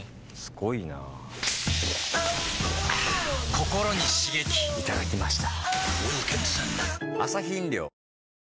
ココロに刺激いただきました。